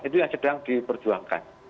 itu yang sedang diperjuangkan